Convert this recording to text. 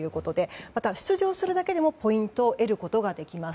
また、出場するだけでもポイントを得ることができます。